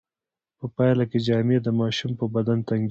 په پایله کې جامې د ماشوم په بدن تنګیږي.